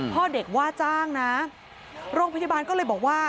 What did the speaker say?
พ่อเด็กว่าจ้างนะโรงพยาบาลก็เลยบอกว่า